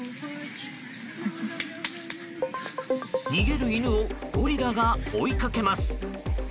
逃げる犬をゴリラが追いかけます。